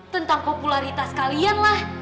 tentang popularitas kalian lah